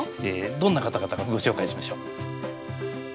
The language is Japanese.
どんな方々かご紹介しましょう。